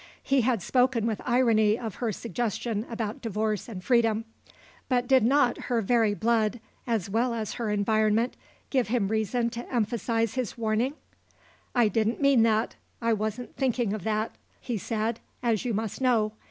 He had spoken with irony of her suggestion about divorce and freedom. But did not her very blood, as well as her environment, give him reason to emphasise his warning? "I didn't mean that. I wasn't thinking of that," he said, "as you must know.